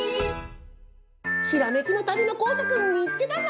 ひらめきの旅のこうさくみつけたぞ。